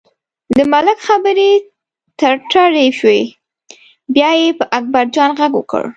د ملک خبرې تړتړۍ شوې، بیا یې په اکبرجان غږ وکړ.